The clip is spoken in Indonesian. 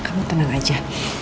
kamu tenang aja